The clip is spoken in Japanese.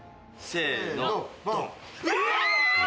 せの！